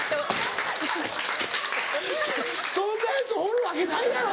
そんなヤツおるわけないやろ！